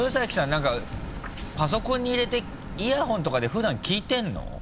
何かパソコンに入れてイヤホンとかで普段聞いてるの？